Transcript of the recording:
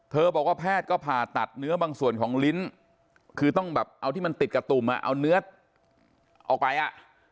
บอกว่าแพทย์ก็ผ่าตัดเนื้อบางส่วนของลิ้นคือต้องแบบเอาที่มันติดกับตุ่มอ่ะเอาเนื้อออกไปอ่ะ